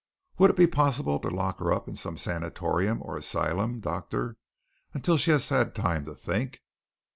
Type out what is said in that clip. "Would it be possible to lock her up in some sanatorium or asylum, doctor, until she has had time to think?"